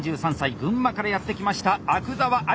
群馬からやって来ました阿久澤有紗。